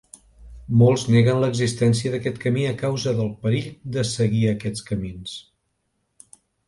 Molts neguen l'existència d'aquest camí a causa del perill de seguir aquests camins.